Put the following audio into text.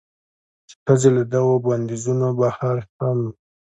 چې ښځې له دغو بندېزونو بهر هم